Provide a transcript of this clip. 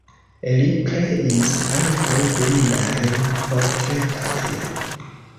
Li kreis ankaŭ virinajn portretojn.